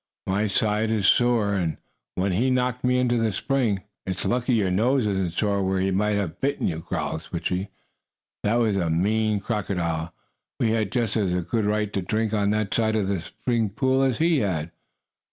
"My side is sore where he knocked me into the spring." "It's lucky your nose isn't sore where he might have bitten you," growled Switchie. "That was a mean crocodile! We had just as good right to drink on that side of the spring pool as he had!"